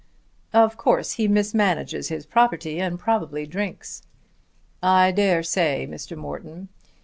"Of course he mismanages his property and probably drinks." "I dare say, Mr. Morton.